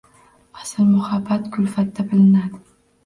Asl muhabbat kulfatda bilinadi.